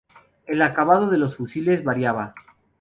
El acabado de los fusiles variaba.